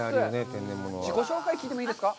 自己紹介、聞いてもいいですか。